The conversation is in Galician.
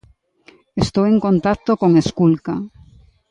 Estou en contacto con Esculca.